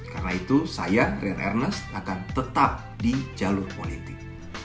karena itu saya rian ernest akan tetap di jalur politik